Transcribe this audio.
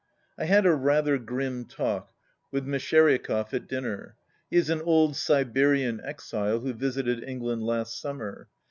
I HAD a rather grim talk with Meshtcheriakov at dinner. He is an old Siberian exile, who visited England last summer.